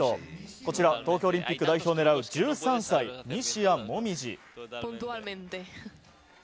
こちら東京オリンピック代表を狙う１３歳、西矢椛。